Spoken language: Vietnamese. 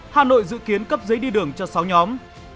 hà nội dự kiến cấp giấy đi đường cho sáu nhóm